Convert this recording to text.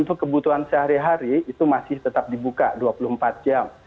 untuk kebutuhan sehari hari itu masih tetap dibuka dua puluh empat jam